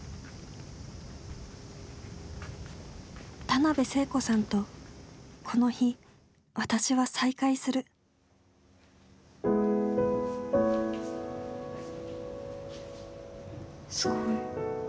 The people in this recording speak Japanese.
田辺聖子さんとこの日私は再会するすごい。